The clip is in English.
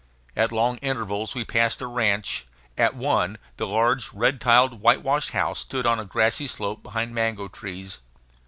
At long intervals we passed a ranch. At one the large, red tiled, whitewashed house stood on a grassy slope behind mango trees.